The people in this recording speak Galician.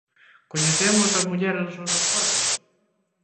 Coñecemos as mulleres os nosos corpo?